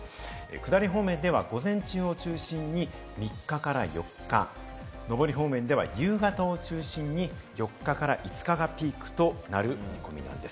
下り方面では午前中を中心に３日から４日、上り方面では夕方を中心に４日から５日がピークとなる見込みです。